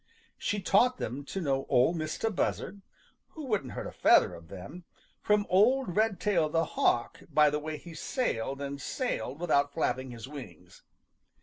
She taught them to know Ol' Mistah Buzzard, who wouldn't hurt a feather of them, from old Redtail the Hawk by the way he sailed and sailed without flapping his wings.